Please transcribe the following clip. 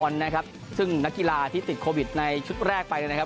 นะครับซึ่งนักกีฬาที่ติดโควิดในชุดแรกไปนะครับ